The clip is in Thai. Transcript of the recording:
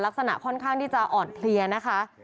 ลักษณะค่อนข้างที่จะอ่อนเพลียนะคะ